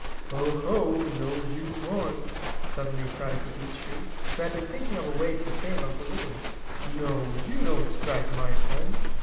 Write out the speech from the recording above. "Oh, ho! No, you aren't!" suddenly cried the beech tree, who had been thinking of a way to save Uncle Wiggily. "No, you don't scrite my friend!"